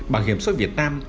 bảo hiểm số việt nam